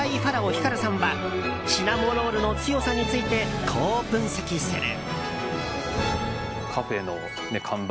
光さんはシナモロールの強さについてこう分析する。